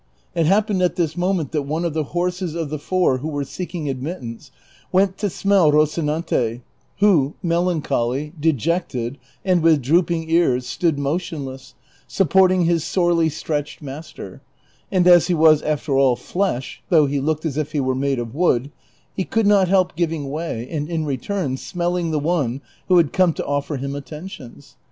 It happened at this moment that one of the horses of the four who were seeking admittance went to smell K oci nante, who melancholy, dejected, and with drooping ears, stood motionless, supporting his sorely stretched master ; and as he was, after all, flesh, though he looked as if he were made of wood, he could not help giving way and in return smelling the one who had come to offer him attentions.